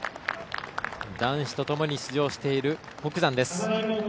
男子とともに出場している北山です。